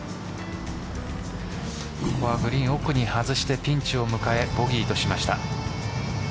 ここはグリーン奥に外してピンチを迎えボギーとしました。